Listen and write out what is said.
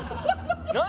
何